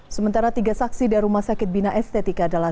sementara tiga saksi dari rumah sakit bina estetika adalah